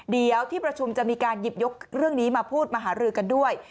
เดี๋ยวที่ประชุมจะมีการหยิบยกเรื่องนี้มาพูดมาหารือกันด้วย